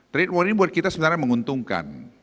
trade war ini buat kita sebenarnya menguntungkan